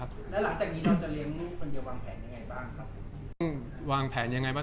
แล้วหลังจากนี้เราจะเลี้ยงลูกคนเดียววางแผนยังไงบ้างครับ